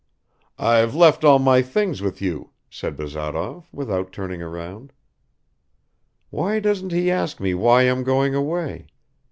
"I've left all my things with you," said Bazarov, without turning round. "Why doesn't he ask me why I'm going away?